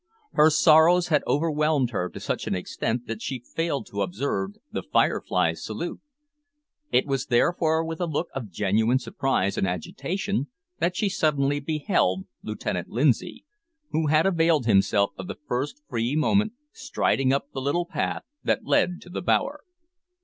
Her sorrows had overwhelmed her to such an extent that she failed to observe the `Firefly's' salute. It was therefore with a look of genuine surprise and agitation that she suddenly beheld Lieutenant Lindsay, who had availed himself of the first free moment, striding up the little path that led to the bower.